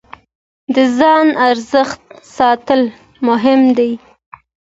د ځان ارزښت ساتل مهم دی.